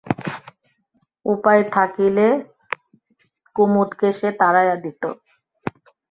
উপায় থাকিলে কুমুদকে সে তাড়াইয়া দিত।